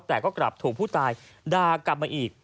แต่ก็กลับถูกผู้ตายด่ากลับมาอีก